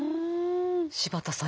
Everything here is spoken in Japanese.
柴田さん